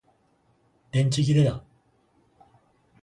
電池切れだ